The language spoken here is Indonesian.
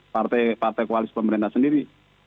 partai koalisi pemerintah sendiri